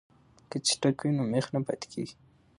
که څټک وي نو میخ نه پاتې کیږي.